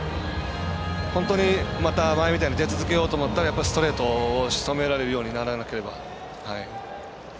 本当にまた前みたいに出続けようと思ったらやっぱりストレートをしとめられるようにならなければ。